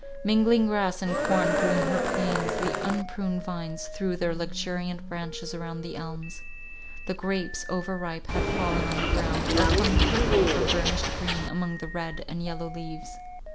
Mingled grass and corn grew in her plains, the unpruned vines threw their luxuriant branches around the elms. The grapes, overripe, had fallen on the ground, or hung purple, or burnished green, among the red and yellow leaves.